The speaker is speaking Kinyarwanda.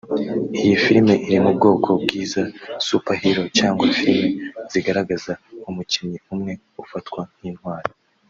Iyi filime iri mu bwoko bw’iza “Superhero” cyangwa filime zigaragaza umukinnyi umwe ufatwa nk’intwari